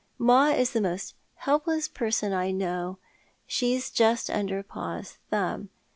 Ma is the most helpless person I know. She's just under pa's thumb.